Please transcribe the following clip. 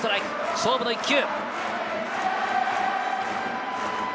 勝負の１球。